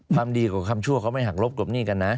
ความดีกว่าความชั่วก็ไม่หักลบตรวมหนี้กันนะ